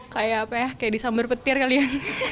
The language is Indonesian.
kayak apa ya kayak disambar petir kali ya